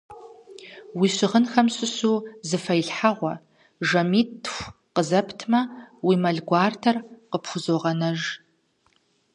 Уи щыгъынхэм щыщу зы фэилъхьэгъуэ, жэмитху къызэптмэ, уи мэл гуартэр къыпхузогъэнэж.